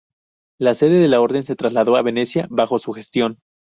La sede de la orden se trasladó a Venecia bajo su gestión.